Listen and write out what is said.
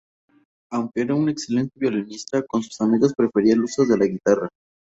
Aunque era un excelente violinista, con sus amigos prefería el uso de la guitarra.